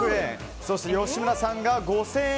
そして、吉村さんが５０００円。